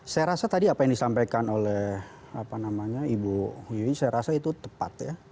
saya rasa tadi apa yang disampaikan oleh ibu hui saya rasa itu tepat ya